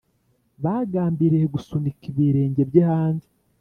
Bagambiriye gusunika ibirenge bye hanze